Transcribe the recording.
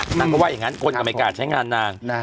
นางก็ว่าอย่างนั้นคนก็ไม่กล้าใช้งานนาง